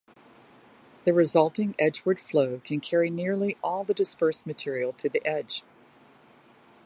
The resulting edgeward flow can carry nearly all the dispersed material to the edge.